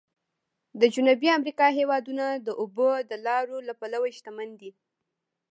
د جنوبي امریکا هېوادونه د اوبو د لارو له پلوه شمن دي.